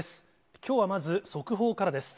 きょうはまず、速報からです。